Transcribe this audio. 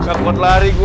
nggak kuat lari gue